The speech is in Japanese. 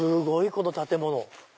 この建物。